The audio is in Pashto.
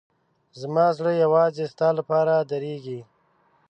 زما زړه یوازې ستا لپاره درزېږي.